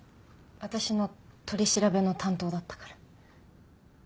私の取り調べの担当だったから。